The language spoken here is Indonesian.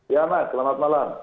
ya pak selamat malam